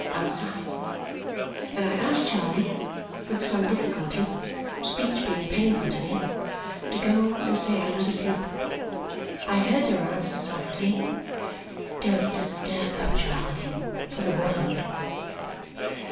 outside; and I asked Charley, with some difficulty (speech being painful to me), to go and say I was asleep. I heard her answer softly, "Don't disturb her, Charley, for the world!"